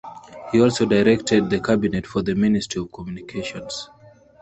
He also directed the cabinet for the Ministry of Communications.